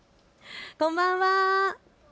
こんばんは。